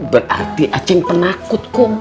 berarti a'at penakut kum